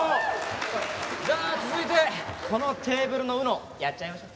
じゃあ続いてこのテーブルのＵＮＯやっちゃいましょう。